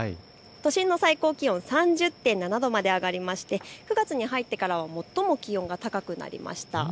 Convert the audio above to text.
都心の最高気温、３０．７度まで上がりまして９月に入ってからは最も気温が高くなりました。